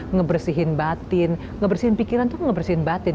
ngebersihin batin ngebersihin pikiran tuh ngebersihin batin